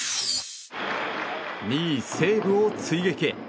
２位、西武を追撃へ。